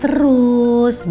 belum ada kau